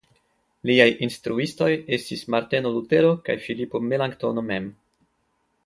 Liaj instruistoj estis Marteno Lutero kaj Filipo Melanktono mem.